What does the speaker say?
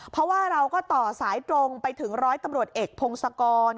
เพราะว่าเราก็ต่อสายตรงไปถึงร้อยตำรวจเอกพงศกร